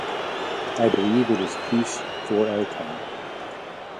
I believe it is peace for our time.